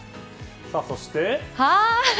そして。